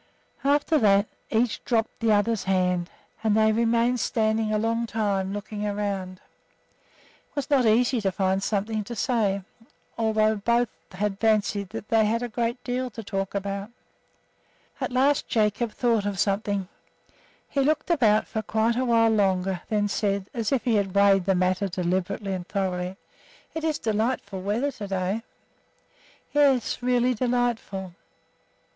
After that, each dropped the other's hand and they remained standing a long time, looking around. It was not easy to find something to say, although both had fancied that they had a great deal to talk about. At last Jacob thought of something. He looked about for quite a while longer, and then said, as if he had weighed the matter deliberately and thoroughly, "It is delightful weather to day." "Yes, really delightful."